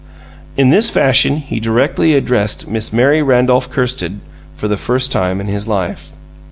In this fashion he directly addressed Miss Mary Randolph Kirsted for the first time in his life.